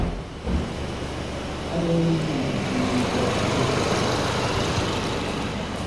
Ayól mi kɛ ni mbwa té.